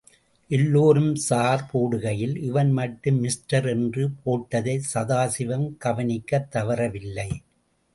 எல்லோரும் ஸார் போடுகையில், இவன் மட்டும் மிஸ்டர் என்று போட்டதை சதாசிவம் கவனிக்கத் தவறவில்லை.